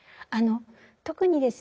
特にですね